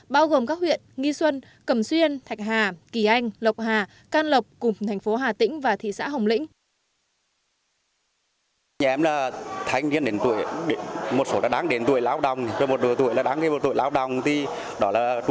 bao gồm các huyện nghi xuân cầm xuyên thạch hà kỳ anh lộc hà can lộc